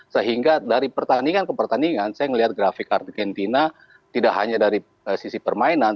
sehingga dari pertandingan ke pertandingan saya melihat grafik argentina tidak hanya dari sisi permainan